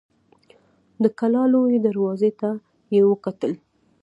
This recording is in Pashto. د کلا لويي دروازې ته يې وکتل.